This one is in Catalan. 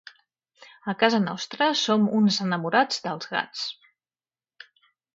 A casa nostra som uns enamorats dels gats.